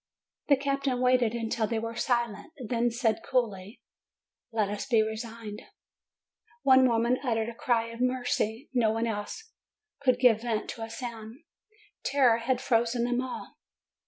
The captain waited until they were silent, then said coolly; "Let us be resigned." One woman uttered a cry of "Mercy!" No one else could give vent to a sound. Terror had frozen them all.